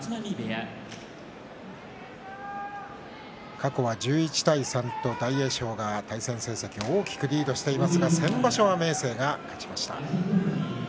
過去は１１対３と大栄翔が対戦成績を大きくリードしていますが先場所は明生が勝ちました。